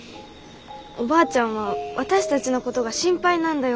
おばあちゃんは私たちのことが心配なんだよ。